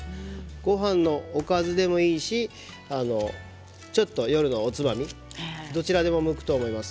ごはんのおかずでもいいですしちょっと夜のおつまみどちらでも向くと思います。